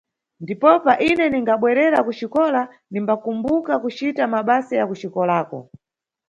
Ndipopa, ine ningabwerera kuxikola, nimbakumbuka kucita mabasa ya kuxikolako.